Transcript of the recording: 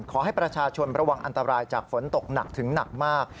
ขอให้ประชาชนระวังอันตรายจากฝนตกหนักถึงหนักมาก